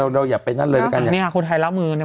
เราอย่าไปนั่นเลยแล้วกัน